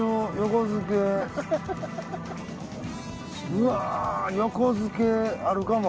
うわ横付けあるかも。